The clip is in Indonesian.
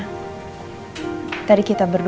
aku udah nolong kamu sama reina